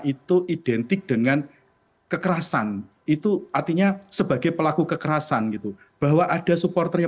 itu identik dengan kekerasan itu artinya sebagai pelaku kekerasan gitu bahwa ada supporter yang